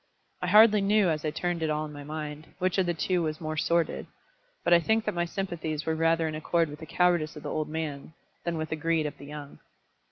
I hardly knew as I turned it all in my mind, which of the two was the more sordid; but I think that my sympathies were rather in accord with the cowardice of the old man than with the greed of the young.